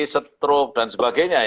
stroke dan sebagainya